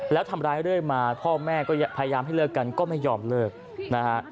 แล้วทำร้ายเรื่อยมาพ่อแม่ก็พยายามให้เลิกกันก็ไม่ยอมเลิกนะฮะ